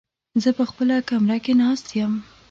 زه په خپله کمره کې ناست يم.